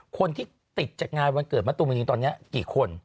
คนที่ติดจากงานวันเกิดมะตูมณีตอนนี้กี่คน